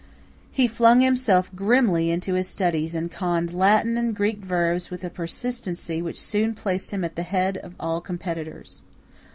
He flung himself grimly into his studies and conned Latin and Greek verbs with a persistency which soon placed him at the head of all competitors.